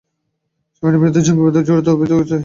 শামিনের বিরুদ্ধে জঙ্গিবাদে জড়িত থাকার অভিযোগ বিচারাধীন।